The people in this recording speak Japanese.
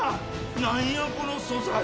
何やこの素材。